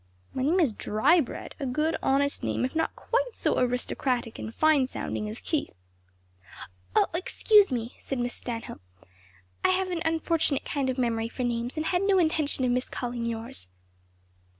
"My name is _Dry_bread! a good honest name; if not quite so aristocratic and fine sounding as Keith." "Excuse me!" said Miss Stanhope. "I have an unfortunate kind of memory for names and had no intention of miscalling yours."